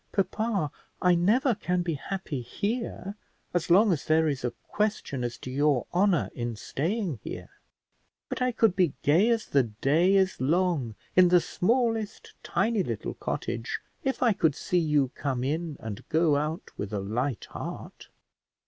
Papa, I never can be happy here, as long as there is a question as to your honour in staying here; but I could be gay as the day is long in the smallest tiny little cottage, if I could see you come in and go out with a light heart.